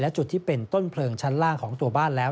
จุดที่เป็นต้นเพลิงชั้นล่างของตัวบ้านแล้ว